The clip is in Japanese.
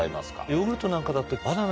ヨーグルトなんかだと。